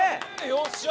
よっしゃ！